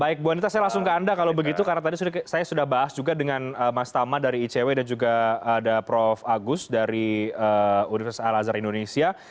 baik bu anita saya langsung ke anda kalau begitu karena tadi saya sudah bahas juga dengan mas tama dari icw dan juga ada prof agus dari universitas al azhar indonesia